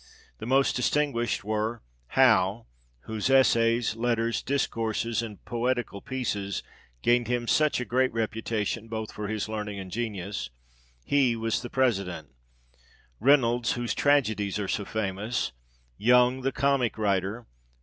The most dis tinguished were, How, whose essays, letters, discourses, and poetical pieces, gained him such a great reputation both for his learning and genius ; he was the president. Reynolds, whose tragedies are so famous. Young, the comic writer.